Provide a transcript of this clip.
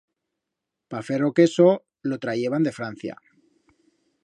Pa fer ro queso lo trayeban de Francia.